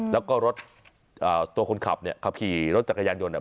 แล้วก็รถตัวคนขับเนี่ยขับขี่รถจักรยานยนต์เนี่ย